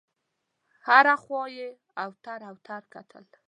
هره خوا یې اوتر اوتر کتل.